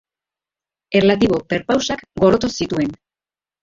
Erlatibo perpausak gorroto zituen.